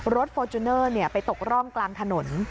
ฟอร์จูเนอร์ไปตกร่องกลางถนน